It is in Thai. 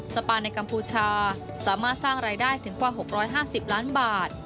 ปานในกัมพูชาสามารถสร้างรายได้ถึงกว่า๖๕๐ล้านบาท